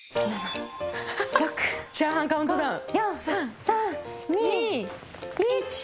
チャーハンカウントダウン。